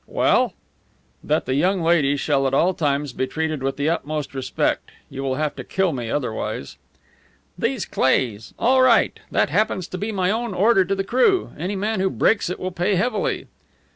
"Well?" "That the young lady shall at all times be treated with the utmost respect. You will have to kill me otherwise." "These Cleighs! All right. That happens to be my own order to the crew. Any man who breaks it will pay heavily."